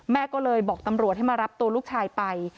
แม่ก็เลยบอกตำรวจให้มารับตัวลูกชายไป